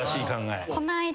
この間。